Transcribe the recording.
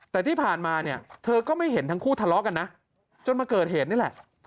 แต่ที่ผ่านมาเนี่ยเธอก็ไม่เห็นทั้งคู่ทะเลาะกันนะจนมาเกิดเหตุนี่แหละ